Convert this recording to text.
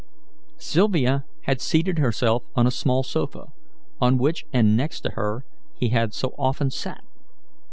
Sylvia had seated herself on a small sofa, on which, and next to her, he had so often sat.